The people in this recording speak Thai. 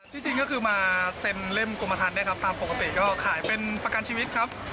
จริงก็คือมาเซ็นเล่มกรมทันนะครับตามปกติก็ขายเป็นประกันชีวิตครับ